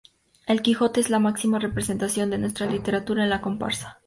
El Quijote es la máxima representación de nuestra literatura en la comparsa.